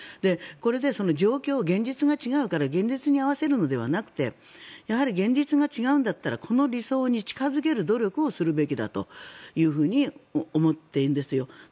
これで状況、現実が違うから現実に合わせるのではなくてやはり現実が違うんだったらこの理想に近付ける努力をするべきだというふうに思っているんですよ。